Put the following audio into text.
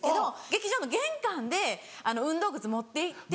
劇場の玄関で運動靴持って行って。